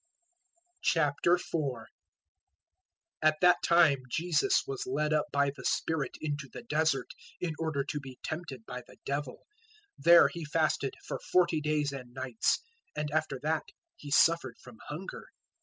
004:001 At that time Jesus was led up by the Spirit into the Desert in order to be tempted by the Devil. 004:002 There He fasted for forty days and nights; and after that He suffered from hunger.